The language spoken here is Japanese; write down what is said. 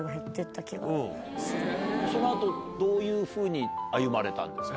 その後どういうふうに歩まれたんですか？